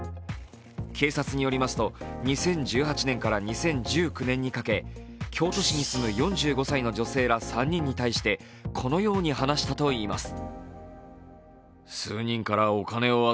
警察によりますと２０１８年から２０１９年にかけ京都市に住む４５歳の女性ら３人に対してこのように話したといいます。